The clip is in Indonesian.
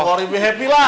nggak lebih happy lah